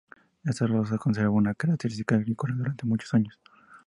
Esta zona conservó su característica agrícola durante muchos años.